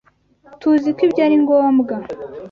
Tuziko ibyo ari ngombwa.